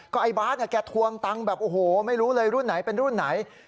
ไอ้บาทแกทวงตังค์แบบโอ้โหไม่รู้เลยรุ่นไหนเป็นรุ่นไหน